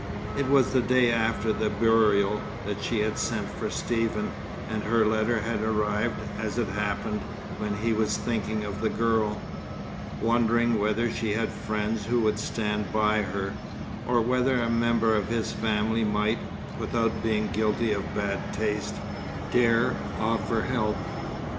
It was the day after the burial that she had sent for Stephen; and her letter had arrived, as it happened, when he was thinking of the girl, wondering whether she had friends who would stand by her, or whether a member of his family might, without being guilty of bad taste, dare offer help.